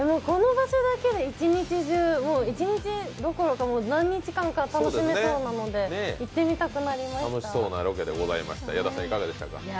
この場所だけで一日中、一日どころか何日間か楽しめそうなので行ってみたくなりました。